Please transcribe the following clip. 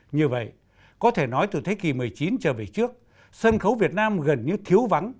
như vậy có thể nói từ thế kỷ một mươi chín trở về trước sân khấu việt nam gần như thiếu vắng